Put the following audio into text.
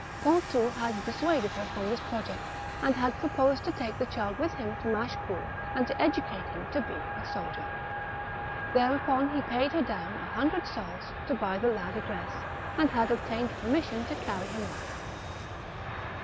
Ponton had dissuaded her from this project, and had proposed to take the child with him to Machecoul, and to educate him to be a soldier. Thereupon he had paid her down a hundred sols to buy the lad a dress, and had obtained permission to carry him off.